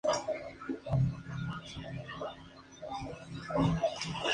Entre estos treinta encuentros, contarían todos los cinco del play-off de la Conference Premier.